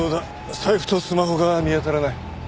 財布とスマホが見当たらない。